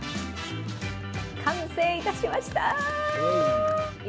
完成いたしました。